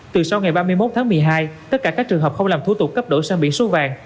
từ sau ngày ba mươi một tháng một mươi hai tất cả các trường hợp không làm thủ tục cấp đổi sang biển số vàng